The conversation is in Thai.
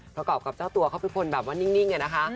ประกอบกับเจ้าตัวเขาเป็นคนแบบว่านิ่งอะนะคะ